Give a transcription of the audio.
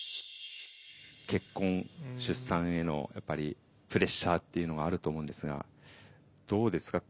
「結婚」「出産」へのやっぱりプレッシャーっていうのはあると思うんですがどうですか？